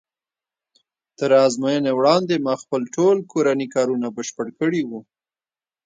تر ازموینې وړاندې ما خپل ټول کورني کارونه بشپړ کړي وو.